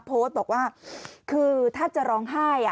โพสต์บอกว่าคือถ้าจะร้องไห้